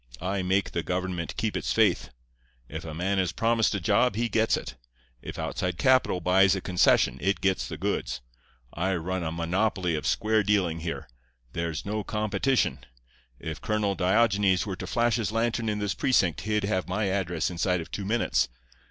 I make the government keep its faith. If a man is promised a job he gets it. If outside capital buys a concession it gets the goods. I run a monopoly of square dealing here. There's no competition. If Colonel Diogenes were to flash his lantern in this precinct he'd have my address inside of two minutes.